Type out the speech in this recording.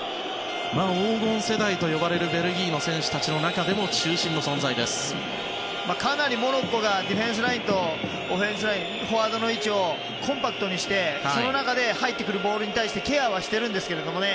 黄金世代と呼ばれるベルギーの選手たちの中でもかなりモロッコがディフェンスラインとオフェンスラインフォワードの位置をコンパクトにしてその中で入ってくるボールに対してケアはしてるんですけどね。